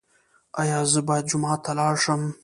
ایا زه باید جومات ته لاړ شم؟